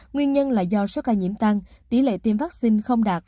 nguyên nhân là do số ca nhiễm tăng tỷ lệ tiêm vaccine không đạt